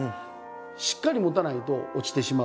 しっかり持たないと落ちてしまう。